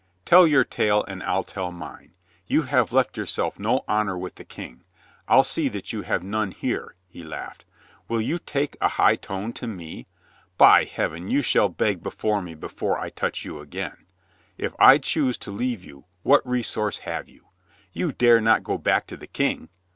Tell your tale and I'll tell mine. You have left yourself no honor with the King. I'll see that you have none here," he laughed. "Will you take a high tone to LUCINDA IS WOOED 279 me? By Heaven, you shall beg before me before I touch you again. If I choose to leave you, what resource have you? You dare not go back to the King.